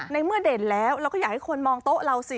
ในเมื่อเด่นแล้วเราก็อยากให้คนมองโต๊ะเราสิ